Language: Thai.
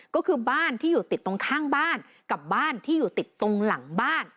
ก็คือบ้านที่อยู่ติดตรงข้างบ้านกับบ้านที่อยู่ติดตรงหลังบ้าน